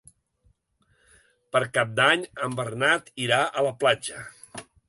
Per Cap d'Any en Bernat irà a la platja.